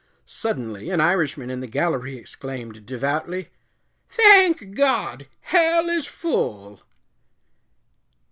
Suddenly an Irishman in the gallery exclaimed, devoutly, "Thank God, hell is full."